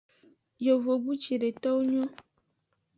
Yovogbu cedewo nyon.